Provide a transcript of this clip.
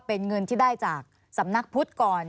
เป็นเงินที่ได้จากสำนักพุทธก่อน